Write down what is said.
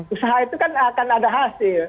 usaha itu kan akan ada hasil